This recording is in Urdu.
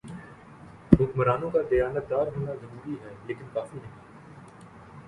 حکمرانوں کا دیانتدار ہونا ضروری ہے لیکن کافی نہیں۔